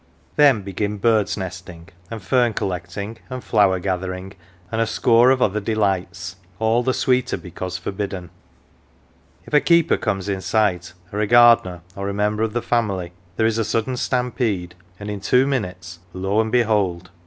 Then begin birds nesting, and fern collecting, and flower gathering, and a score of other delights, all the sweeter because forbidden. If a keeper comes in sight, or a gardener, or a member of " the family, "" there is a sudden stampede, and in two minutes lo and behold